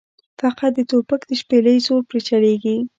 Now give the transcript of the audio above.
فقط د توپک د شپېلۍ زور پرې چلېږي.